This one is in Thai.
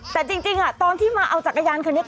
แต่จริงตอนที่มาเอาจักรยานคันนี้